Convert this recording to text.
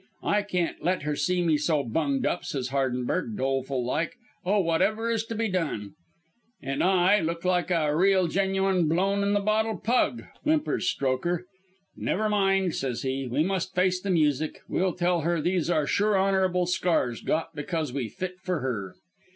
"'I can't let her see me so bunged up,' says Hardenberg, doleful like, 'Oh, whatever is to be done?' "'An' I look like a real genuine blown in the bottle pug,' whimpers Strokher. 'Never mind,' says he, 'we must face the music. We'll tell her these are sure honourable scars, got because we fit for her.'